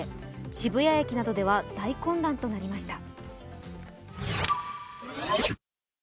渋谷駅などでは大混乱となりました。